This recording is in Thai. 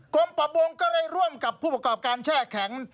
ประมงก็ได้ร่วมกับผู้ประกอบการแช่แข็ง